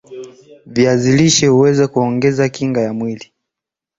viazi lishe huweza kuongeza kinga ya mwili